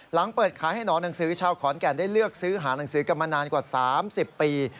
หลังเปิดขายให้หนอนหนังสือชาวขอนแก่นได้เลือกซื้อหาหนังสือกันมานานกว่า๓๐ปี